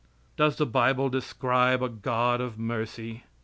Does the bible describe a god of mercy?